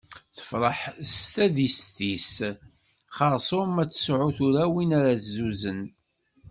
Tefreḥ s tadist-is, xerṣum ad tesɛu tura win ara tezzuzen.